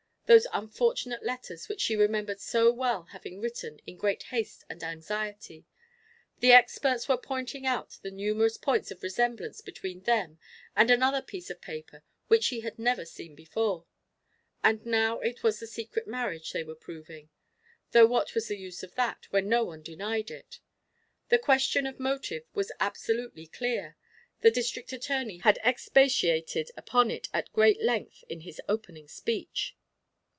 Those unfortunate letters which she remembered so well having written, in great haste and anxiety. The experts were pointing out numerous points of resemblance between them and another piece of paper, which she had never seen before. And now it was the secret marriage they were proving though what was the use of that, when no one denied it? The question of motive was absolutely clear; the District Attorney had expatiated upon it at great length in his opening speech.